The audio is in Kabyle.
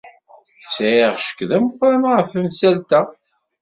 Sɛiɣ ccek d ameqran ɣef temsalt-a.